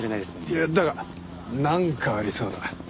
いやだがなんかありそうだ。